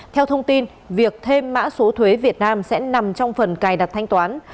theo thông tin việc thêm mã số thuế việt nam sẽ nằm trong phần cài đặt thanh toán